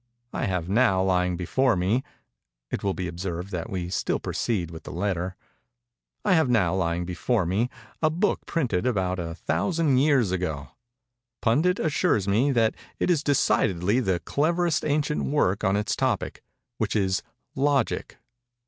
I have now lying before me"—it will be observed that we still proceed with the letter—"I have now lying before me a book printed about a thousand years ago. Pundit assures me that it is decidedly the cleverest ancient work on its topic, which is 'Logic.